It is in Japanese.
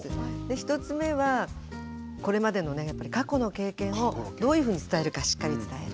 １つ目はこれまでのね過去の経験をどういうふうに伝えるかしっかり伝える。